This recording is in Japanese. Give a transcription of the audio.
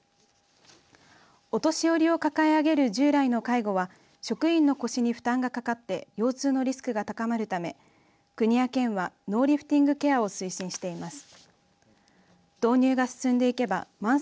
お年寄りを抱え上げる従来の介護は職員の腰に負担がかかって腰痛のリスクが高まるため国や県はノーリフティングケアを推進しています。